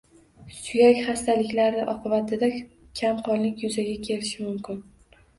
Suyak xastaliklari oqibatida kamqonlikyuzaga kelishi mumkin.